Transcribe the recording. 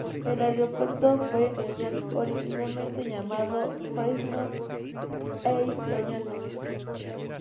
El aeropuerto fue originalmente llamado "Fresno Air Terminal".